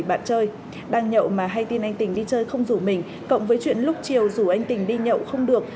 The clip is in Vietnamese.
bạn chơi đang nhậu mà hay tin anh tình đi chơi không rủ mình cộng với chuyện lúc chiều rủ anh tình đi nhậu không được